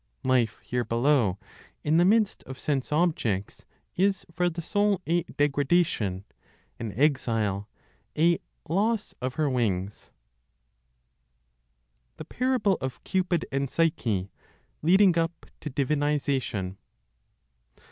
Life here below, in the midst of sense objects, is for the soul a degradation, an exile, a loss of her wings. THE PARABLE OF CUPID AND PSYCHE, LEADING UP TO DIVINIZATION.